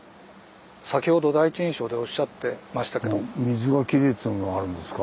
先ほど第一印象でおっしゃってましたけど。